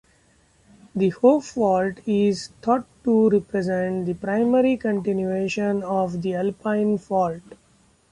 The Hope fault is thought to represent the primary continuation of the Alpine fault.